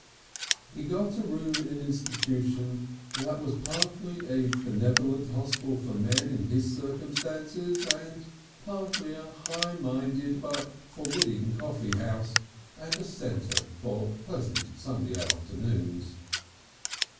He got a room in an institution that was partly a benevolent hostel for men in his circumstances and partly a high minded but forbidding coffee house and a centre for pleasant Sunday afternoons.